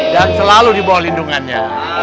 dan selalu dibawa lindungannya